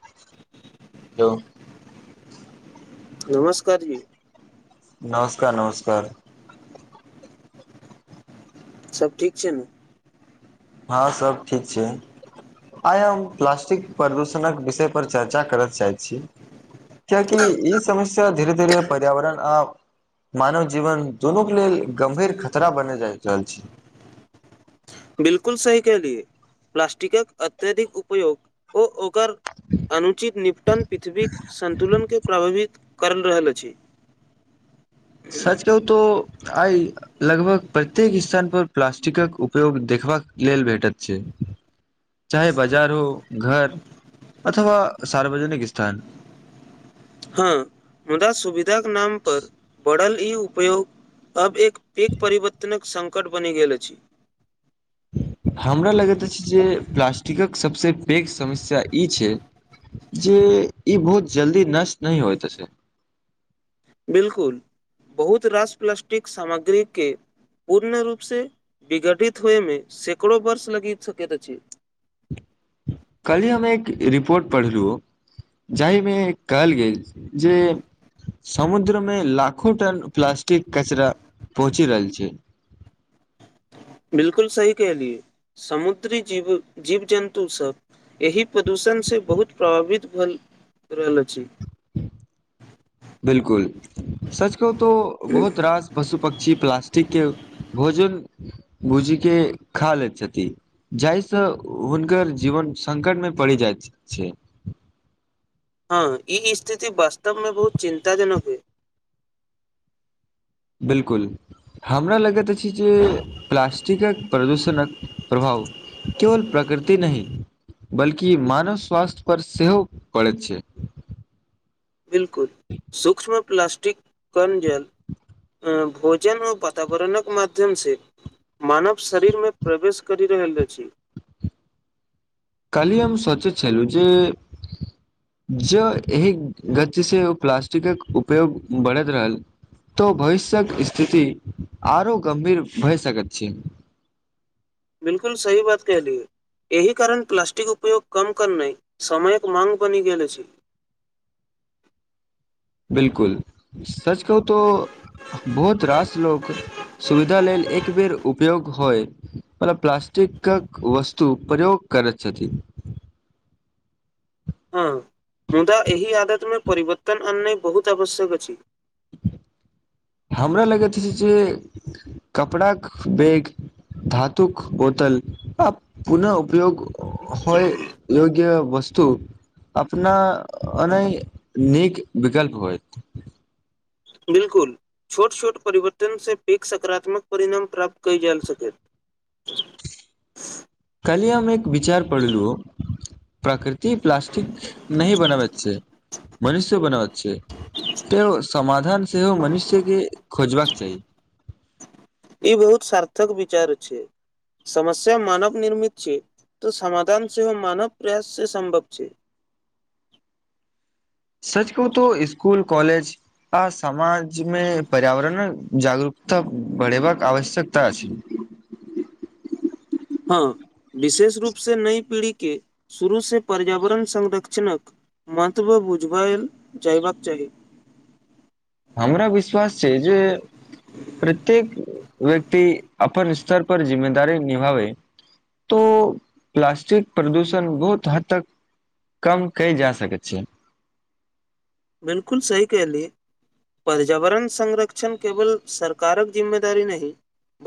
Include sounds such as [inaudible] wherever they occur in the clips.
[unintelligible] यौ नमस्कार जी नमस्कार नमस्कार सब ठीक छैय न हां सभ ठीक छै आइ हम प्लास्टिक प्रदूषणक विषयपर चर्चा करत चाहैत छी कियाकि ई समस्या धीरे धीरे पर्यावरण आ मानव जीवन दुनूके लेल गम्भीर खतरा बनै जा रहल छै बिल्कुल सही कहलिए प्लास्टिकक अत्यधिक उपयोग ओ ओकर अनुचित निपटन पिथविक संन्तुलन के प्रभावित कर रहल अछि सच कहू तऽ आइ लगभग प्रत्येक स्थान पर प्लास्टिकक उपयोग देखबाक लेल भेटत छै चाहे बाजार हो घर अथवा सार्वजनिक स्थान हँ मुदा सुविधाक नाम पर बढ़ल ई उपयोग अब एक पेघ परिवर्तनक संकट बनि गेल अछि ह हमरा लगैत अछि जे प्लास्टिकक सभ से पेघ समस्या ई छै जे ई बहुत जल्दी नष्ट नहि होयत अछि बिल्कुल बहुत रास प्लासस्टिक सामग्री के पूर्ण रूपसँ विघटित होइमे सैकड़ो वर्ष लगि सकैत अछि कल्हि हम एक रिपोर्ट पढ़लु जाहिमे कहल गेल जे समुद्रमे लाखों टन प्लास्टिक कचरा पहुँचि रहल छै [inaudible] बिल्कुल सही कहलिए समुद्री जीव जीव जन्तुसभ एहि प्रदूषण से बहुत प्रभावित भेल फेरो आयल अछि बिलकुल सच कहूँ तो बहुत रास पशु पक्षी प्लास् ठीके भोजन भुजी के खा लैत छथि जाहिसँ हुनकर जीवन सङ्कटमे पड़ि जाइत छै हँ ई स्थिति वास्तवमे बहुत चिन्ताजनक होइ बिल्कुल हमरा लगैत अछि जे प्लास्टिकक प्रदूषणक प्रभाव केवल प्रकृति नहि बल्कि मानव स्वास्थ्य पर सेहो पड़ैत छै बिल्कुल सूक्ष्म प्लास्टिक कर्नजल भोजन मे वातावरणक माध्यमसे मानव शरीरमे प्रवेश करि रहल अछि काल्हि हम सोचे छलू जे जँ एहि गतिसँ ओ प्लास्टिकक उपयोग बढ़ैत रहल तऽ भविष्यक स्थिति आओर गंभीर भय सकैत छै [inaudible] बिलकुल सही बात कहलियै एहि कारण प्लास्टिक उपयोग कम करनाइ समयक माँग बनि गेल छै बिलकुल सच कहू तो बहुत रास लोक सुविधा लेल एक बेर उपयोग होय मतलब प्लास्टि प्लास्टिकक वस्तु प्रयोग करैत छथि हँ मुदा एहि आदत मे परवर्तन अन नइ बहुत आवश्यक अछि हमरा लगैत अछि जे कपड़ा के बैग धातुक बोतल आ पुनः उपयोग होइ योग्य वस्तु वस्तु अपना अने नीक विकल्प होयत बिलकुल छोट छोट परिवर्तन से पैघ सकारात्मक परिणाम प्राप्त कयल जा सकत [unintelligible] काल्हि हम एक विचार पढ़लहुँ प्रकृति प्लासस्टिक नहि बनाबैत छै मनुष्य बनाबैत छै तै समाधान सेहो मनुष्यके खोजबाक चाही ई बहुत सार्थक विचार छै समस्या मानव निर्मित छै तऽ समाधान सेहो मानव प्रयास से सम्भव छै [inaudible] सच कह तो स्कुल कॉलेज आ समाज में पर्यावरण जगरूकता बढ़ेबाक आवश्यकता अछि [inaudible] हँ विशेष रूप से नई पीढ़ी के शुरू से पर्यावरण संरक्षणक महत्व बुझबैल जयबाक चाही हमरा विश्वास छै जे प्रत्येक व्यक्ति अपन स्तर पर जिम्मे दारी निभाबै तो प्लास्टिक प्रदूषण बहुत हद तक कम कयल जा सकै छै बिलकुल सही कहलिए पर्यावरण संरक्षण केवल सरकारक जिम्मेदारी नहि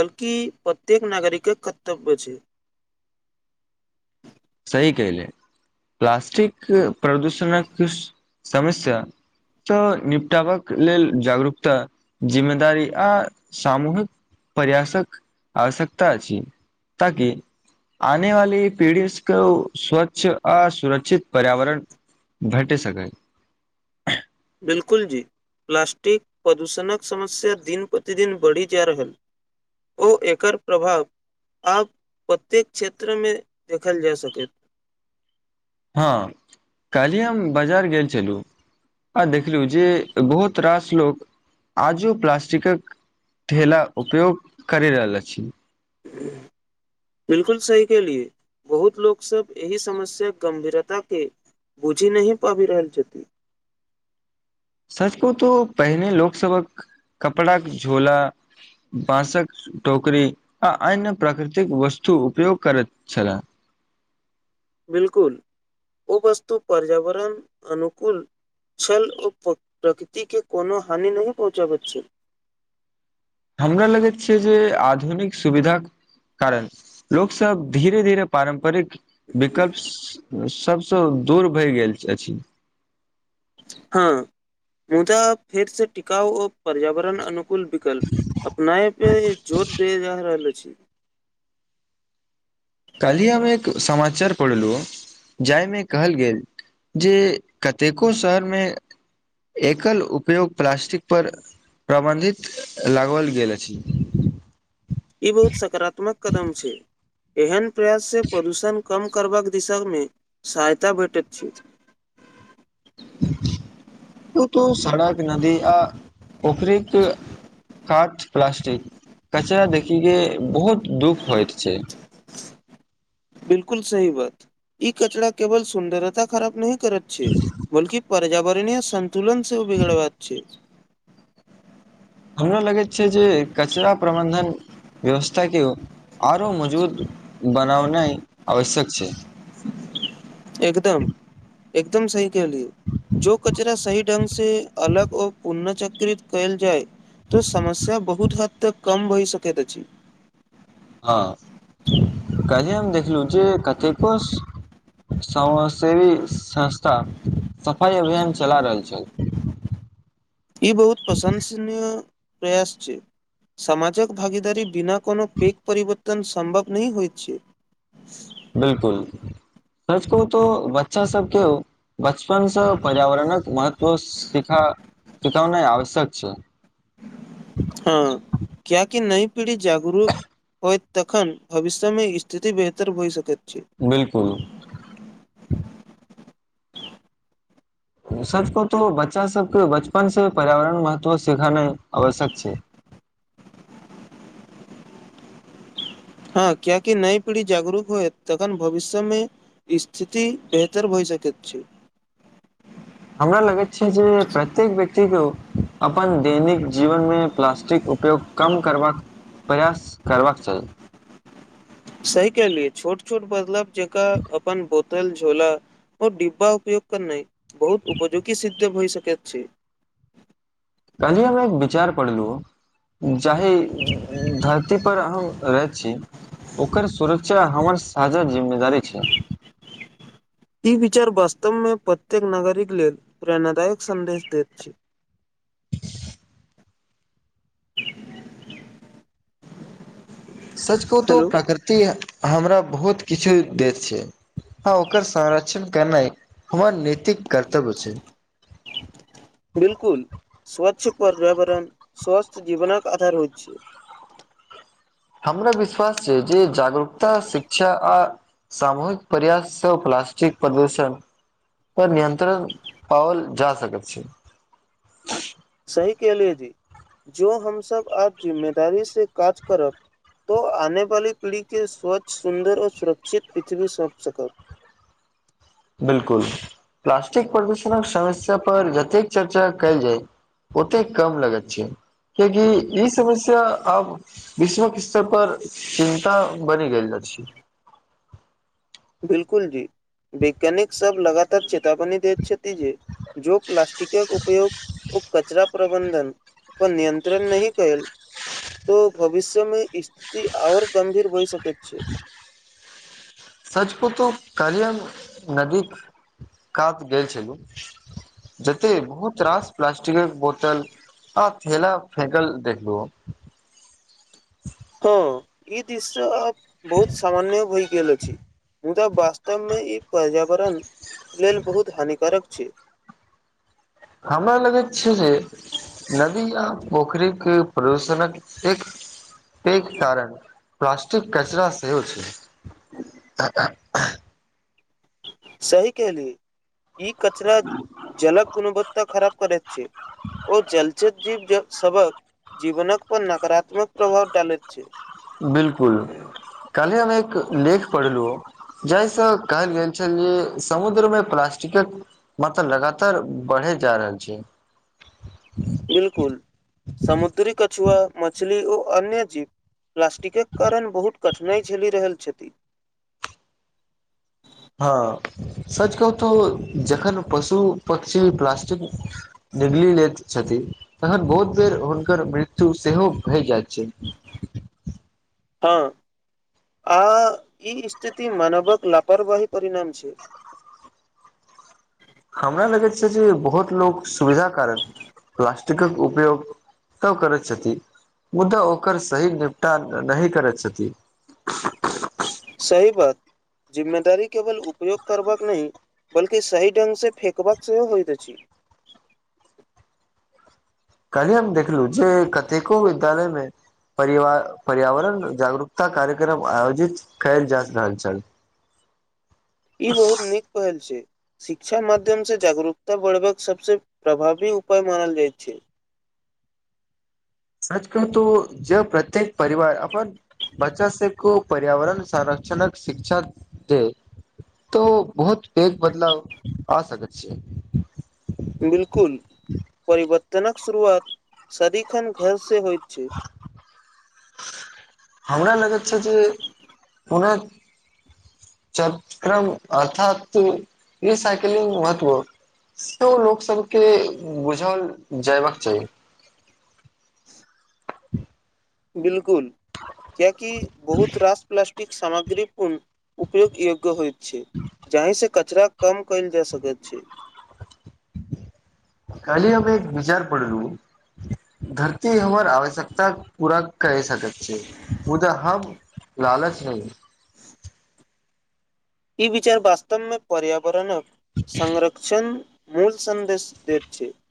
बल्कि प्रत्येक नागरिकक कर्तव्य छै सही कहले प्लास्टिक प्रदूषणक समस्या तऽ निपटाबा लेल जागरूकता जिम्मेदारी आ सामूहिक प्र्यासक आवश्यकता अछि ताकि आने वाली पीढ़ि स्वच्छ असुरक्षित पर्यावरण भेट सकै [inaudible] बिल्कुल जी प्लास्टिक प्रदूषणक समस्या दिन प्रतिदिन बढ़ि जा रहल ओ एकर प्रभाव आब प्रत्येक क्षेत्र में देखल जा सक हँ काली हम बाजार गेल छलू आ देखलू जे बहुत रास लोक आजो प्लासटिकक ठेला उपयोग करि रहल छी बिलकुल सही के लि बहुत लोक सब यह समस्या गंभीरता के बुझी नहि पाबि रहल‌ छति सच कहूं तो पहिने लोक सबक कपड़ा झोला बाँसक टोकरी आ अन्य प्राकृतिक वस्तु उपयोग करैत छलला [inaudible] बिलकुल ओ वस्तु पर्यावरण अनुकूल छलल ओ प्रकृति के कोनो हानि नहि पहुँचाबय छै हमरा लगैत छियै जे आधुनिक सुविधाक कारण लोक सब धीरे धीरे पारम्परिक विकल्प सभसँ दूर भए गेल अछि हँ मुदा फेर से टिकाउ ओ पर्यावरण अनु कुल विकल्प अपनाए पे जोर दे जा रहल ल अछि काल्हि हम एक समाचार पढ़लहुँ जाहिमे कहल गेल जे कतेको शहरमे एकल उपयोग प्लास्टिकपर प्रबन्धित लागबल गेल अछि ई बहुत सकारात्मक कदम छै एहन प्रयास से प्रदूषण क कम करबाक दिशामे सहायता भेटैत छै त सड़क नदी आ पोखरिक काठ प्लास्टिक कचरा देखिके बहुत दुःख होयत छै [inaudible] बिल्कुल सही बात ई कचरा केवल सुन्दरता खराब नहि करत छै बल्कि पर्यावरणीय सन्तुलन सेहो बिगड़बाक छै हमरा लगैत छै जे कचरा प्रबंधन व्यवस्था के आरो मजबूत बनावनाइ आवश्यक छै एकदम एकदम सही कहलियौ जो कचरा सही ढङ्ग से अलगओ पुनःचक्रित कयल जाय तो समस्या बहुत हद तक कम भहि सकैत अछि हँ काल्हे हम देखलहुँ जे कतेको समा सेेवी संस्था सफाई अभियान चला रहल छै [unintelligible] ई बहुत प्रशंसनीय प्रयास छै समाजक भागीदारी बिना कोनो पेेघ परिवर्तन सम्भव नहि होय छै बिल्कुल सच कहुतो बच्चा सबके बचपनसँ पर्यावरणक महत्व सिखा सिखौने आवश्यक छै [unintelligible] हँ कियाकि नई पीढ़ी जागरूक होयत तखन भविष्यमे स्थिति बेहतर भए सकैत छै बिल्कुल सबको तो बच्चा सबके बचपन से पर्यावरण महत्व सिखानाइ आवश्यक छै [unintelligible] हँ कियाकि नई पीढ़ी जागरूक होएत तखन भविष्य मे स्थिति बेहतर भ‌ए सकैत छै [inaudible] हमरा लगैत छै जे प्रत्येक व्यक्तिके अपन दैनिक जीवनमे प्लास्टिक उपयोग कम करबाक प्रयास करबाक चाही सही कह लियए छोट छोट बदलाब जेका अपन बोतल झोला ओ डिब्बा उपयोग करनाय बहुत उपयोगी सिद्ध भइ सकैत छै [inaudible] काल्हि हम एक विचार पढ़लहुँ जाही धरती पर हम रहैत छी ओकर सुरक्षा हमर साझा जिम्मेदारी छै ई विचार वास्तवमे प्रत्येक नागरिक लेल प्रेरणादायक सन्देश दैत छै [unintelligible] सच कहू तो हेलो प्रकृति हमरा बहुत किछु देत छै हँ ओकर संरक्षण केनाय हमर नैतिक कर्तव्य छै बिल्कुल स्वच्छ पर्यावरण स्वस्थ जीवनक आधार होइत छै हमरा विश्वास छै जे जागरूकता शिक्षा आ सामूहिक प्रयास सँ उपलब्ध प्लास्टिक प्रदूषण पर नियंत्रण पावल जा सकै छै [inaudible] सही केलि य जी जो हम सब आब जिम्मेदारी से काज करब तो आने वाली पिढ़ी के स्वच्छ सुन्दर आ सुरक्षित पृथ्वी सौप सकब [inaudible] बिलकुल प्लासस्टिक प्रदूषणक समस्या पर जतैक चर्चा कयल जाइ ओतेक कम लगाइ छै क्या कि ई समस्या आब विश्व स्तर पर चिन्ता बनि गेल [unintelligible] बिलकुल जी वैज्ञानिक सब लगातार चेतावनी दे छथि जेे जो प्लाासस्टिक कऽ उपयोग ओ कचरा प्रबंन्धन पर नियन्त्रण नहि कएल तो भविष्य मे स्थिति और गंभीर होइ सकेत छै सच पुतो कलिय नदीक कात गेल छलहुँ जते बहुत रास प्लास्टिक क बोतल आ थैला फेकल देखलू हँ ई दृश्य बहुत समान्य होइ गेल अछि मुदा वास्तव मे ई पर्यावरण लेल बहुत हानिकारक छी हमरा लगै छै जे नदी या पोखरि के प्रदूषणक एक पैघ कारण प्लास्टिक कचड़ सेहो छै [unintelligible] सही कहलिय ई कचरा जलक गुणवत्ता खराब करैत छै ओ जलचय जीव सबक जीवनक पर नकारात्मक प्रभाव डालैत छै बिलकुल कल्हि हम एक लेख पढ़लहुँ जाहि सँ कहल गेल छलिए जे समुद्र मे प्लास्टिक मलब लगातार बढ़े जा रहल छै बिलकुल समुद्री कछुआ मछली ओ अन्य जीव प्लास्टिक कऽ कारण बहुत कठिनाइ झेलि रहल छथि हँ सच कहू तऽ जखन पशु पक्षी प्लास्टिक निगली लैत छथिन तखन बहुत बेर हुनकर मृत्यु सेहो भए जाइ छै [inaudible] हाँ आ ई स्थिति मनावक लापापरवाही परिणाम छै [inaudible] हमरा लगैत छै जे बहुत लोक सुविधा कारण प्लास्टिक कऽ उपयोग तऽ करैत छथि मुदा ओकर सही निपटान नहि करैत छथिन [inaudible] सही बात जिम्मेदारी केवल उपयोग करबाक नय बल्कि सही ढ़ंग सँ फेेकबाक सेहो होइत अछि [inaudible] कलही हम देखलहु जे कतेको विद्यालय मे परिवार पर्यावरण जागरूकता कार्यक्रम आयोजित कैल जा रहल छल [inaudible] ई बहुत नीक पहल छै शिक्षा माध्यम सँ जागरूकता बढ़बाक सभसँ प्रभावी उपाय मानल जाइत छै सच कहु तो जब प्रत्येक परिवार अपन बच्चा से को पर्यावरण संरक्षण जनक शिक्षा दै तो बहुत पैघ बदलाव आ सकैत छैै बिलकुल परिवर्तन तनक शुरुआत सदिखन घरसँ होइत छै हमरा लगैत छै जे ओना चपक्रम अर्थात ई साइकलिंग महत्व से लोकसभके बुझल जयबाक चाही बिलकुल क्यकि बहुत रास पलासटिक एक सामग्री पूर्ण उपयो योग्य होइ छै जहि सँ कचरा कम कयल जा सकैत छै कलही हम एक विचार पढ़लू धरती हमर आवश्यकता पूरा करैत सकैत छै मुदा हम लालच हइ ई विचार वास्तवमे पर्यावरणक संरक्षण मूल सन्देश दे छै